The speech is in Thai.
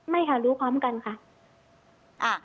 ไม่ค่ะรู้พร้อมกันค่ะ